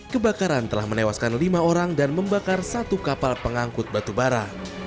kebakaran telah menewaskan lima orang dan membakar satu kapal pengangkut batu bara